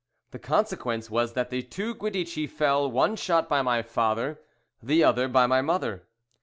The consequence was that the two Guidici fell, one shot by my father, the other by my mother.